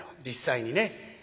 実際にね。